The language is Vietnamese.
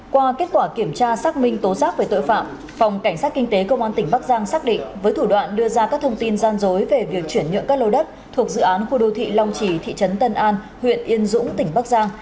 qua kết quả kiểm tra xác minh tố giác về tội phạm phòng cảnh sát kinh tế công an tỉnh bắc giang xác định với thủ đoạn đưa ra các thông tin gian dối về việc chuyển nhượng các lô đất thuộc dự án khu đô thị long trì thị trấn tân an huyện yên dũng tỉnh bắc giang